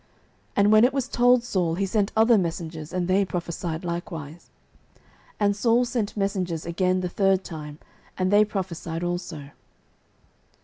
09:019:021 And when it was told Saul, he sent other messengers, and they prophesied likewise. And Saul sent messengers again the third time, and they prophesied also.